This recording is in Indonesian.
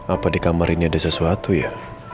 apa di kamar ini ada sesuatu ya